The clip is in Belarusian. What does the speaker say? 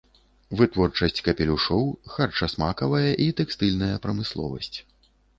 Вытворчасць капелюшоў, харчасмакавая і тэкстыльная прамысловасць.